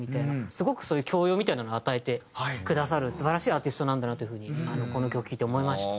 すごくそういう教養みたいなのを与えてくださる素晴らしいアーティストなんだなという風にこの曲聴いて思いました。